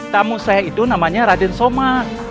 tamu saya itu namanya raden soma